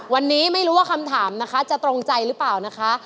วันนี้ไม่รู้ว่าคำถามนะคะจะตรงใจหรือเปล่านะคะ